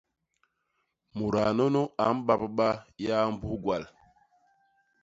Mudaa nunu a mbabba yaa mbus gwal.